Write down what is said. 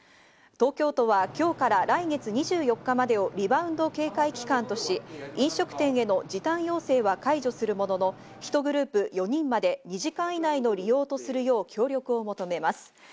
東京都は今日から来月２４日までをリバウンド警戒期間とし、飲食店への時短要請は解除するものの、ひとグループ４人まで２時間以内の利用とするよう協力を求めます。